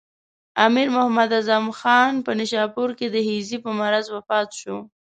امیر محمد اعظم خان په نیشاپور کې د هیضې په مرض وفات شو.